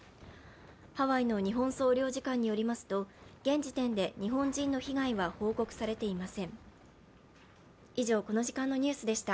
ハワイの日本総領事館によりますと現時点で日本人の被害は報告されていません。